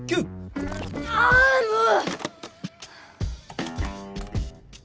ああもう！